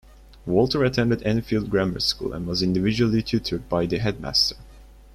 Walter attended Enfield Grammar School and was individually tutored by the headmaster.